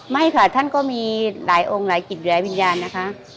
ไม่ค่ะท่านก็มีหลายองค์หลายกิจหลายวิญญาณนะคะ